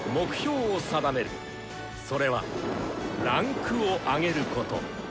それは「位階を上げる」こと。